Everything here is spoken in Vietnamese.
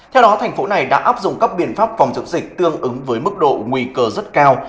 theo đó thành phố này đã áp dụng các biện pháp phòng chống dịch tương ứng với mức độ nguy cơ rất cao